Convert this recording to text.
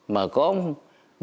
mà có một đất nước